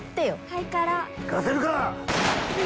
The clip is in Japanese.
行かせるか！